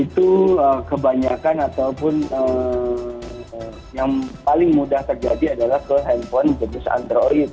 itu kebanyakan ataupun yang paling mudah terjadi adalah ke handphone jenis android